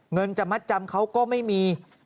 เงินจะมัดจำเขาก็ไม่มี